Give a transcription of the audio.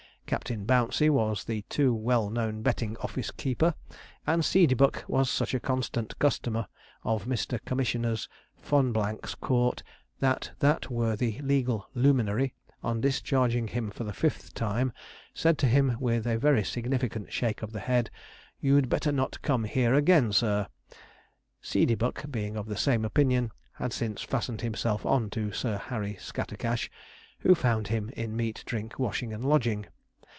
Captain Bouncey was the too well known betting office keeper; and Seedeybuck was such a constant customer of Mr. Commissioner Fonblanque's court, that that worthy legal luminary, on discharging him for the fifth time, said to him, with a very significant shake of the head, 'You'd better not come here again, sir.' Seedeybuck, being of the same opinion, had since fastened himself on to Sir Harry Scattercash, who found him in meat, drink, washing, and lodging.